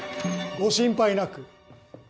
・・ご心配なく。